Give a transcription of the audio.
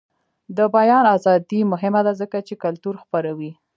د بیان ازادي مهمه ده ځکه چې کلتور خپروي.